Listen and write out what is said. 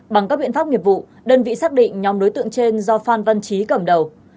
bằng các biện pháp nghiệp vụ đơn vị xác định nhóm đối tượng trên do phan văn trí cầm đầu